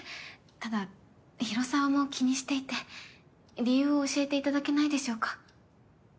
ただ広沢も気にしていて理由を教えていただけないでしょうか？